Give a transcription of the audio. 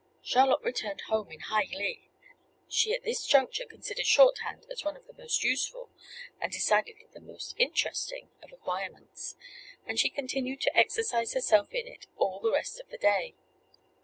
Charlotte returned home in high glee. She at this juncture considered shorthand as one of the most useful, and decidedly the most interesting of acquirements; and she continued to exercise herself in it all the rest of the day.